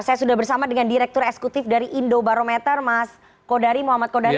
saya sudah bersama dengan direktur eksekutif dari indobarometer mas kodari muhammad kodari